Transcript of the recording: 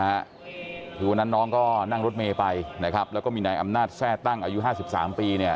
คือวันนั้นน้องก็นั่งรถเมย์ไปนะครับแล้วก็มีนายอำนาจแทร่ตั้งอายุห้าสิบสามปีเนี่ย